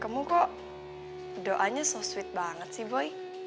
kamu kok doanya so sweet banget sih boy